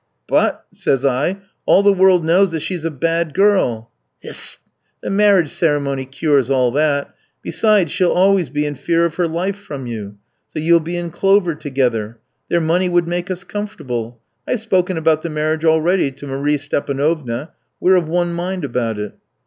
"'But,' says I, 'all the world knows that she's a bad girl ' "'Hist, the marriage ceremony cures all that; besides, she'll always be in fear of her life from you, so you'll be in clover together. Their money would make us comfortable; I've spoken about the marriage already to Marie Stépanovna, we're of one mind about it.'